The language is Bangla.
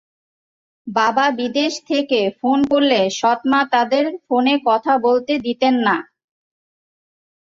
বাবা বিদেশ থেকে ফোন করলে সৎমা তাদের ফোনে কথা বলতে দিতেন না।